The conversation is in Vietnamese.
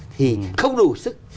thì không đủ sức